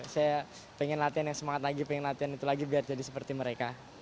saya pengen latihan yang semangat lagi pengen latihan itu lagi biar jadi seperti mereka